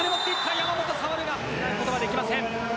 山本、触るが止めることはできません。